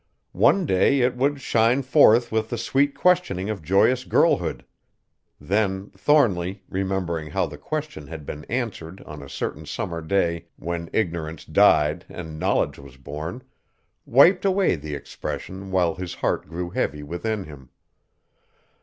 One day it would shine forth with the sweet questioning of joyous girlhood. Then Thornly, remembering how the question had been answered on a certain summer day when ignorance died and knowledge was born, wiped away the expression while his heart grew heavy within him.